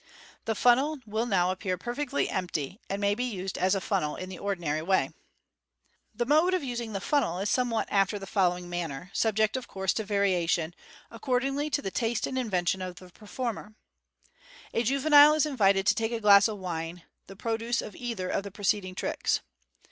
The funnel will now appear perfectly empty, and may be used as a funnel in the ordinary way. The mode of using the funnel is somewhat after the following manner, subject, of course, to variation, according to the taste and invention of the performer :— A juvenile is invited to take a glass of wine, the produce of either of the preceding tricks.